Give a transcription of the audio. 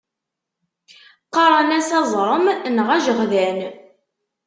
Qqaren-as aẓrem neɣ ajeɣdan.